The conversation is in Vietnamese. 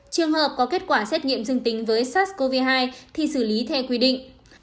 trường hợp có kết quả xét nghiệm dương tính với sars cov hai thì xử lý theo quy định